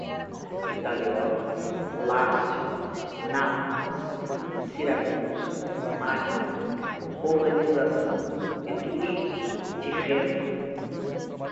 italiotas, Lácio, Nápoles, Siracusa, Magna, romanização, etruscos, Tirreno